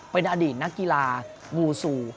เป็นอดีตนักกีฬาวูซู